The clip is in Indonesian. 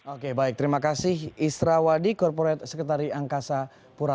oke baik terima kasih israwadi korporat sekretari angkasa pura